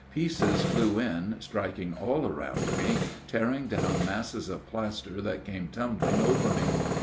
Pieces flew in, striking all around me, tearing down masses of plaster that came tumbling over me.